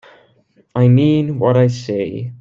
I mean what I say.